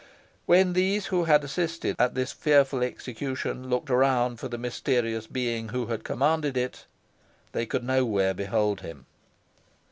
When those who had assisted at this fearful execution looked around for the mysterious being who had commanded it, they could nowhere behold him.